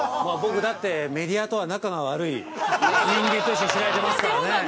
僕だって、メディアとは仲が悪い人間として知られていますからね。